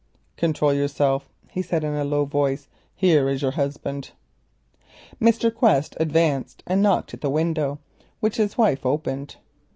"Control yourself," he said in a low voice, "here is your husband." Mr. Quest advanced and knocked at the window, which his wife opened.